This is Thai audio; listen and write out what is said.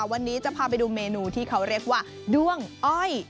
วันนี้จะพาไปดูเมนูที่เขาเรียกว่าด้วงอ้อย